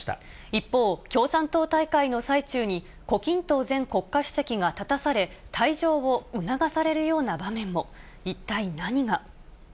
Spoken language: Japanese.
一方、共産党大会の最中に、胡錦濤前国家主席が立たされ、退場を促されるような場面も。